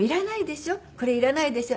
「いらないでしょ？